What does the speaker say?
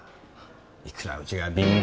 いくらうちが貧。